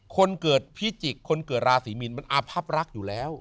คนเกิดพิจิกษ์คนเกิดราศีมีนมันอาพับรักอยู่แล้ว